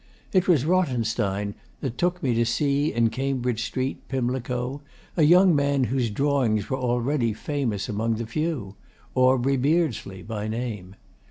It was Rothenstein that took me to see, in Cambridge Street, Pimlico, a young man whose drawings were already famous among the few Aubrey Beardsley, by name.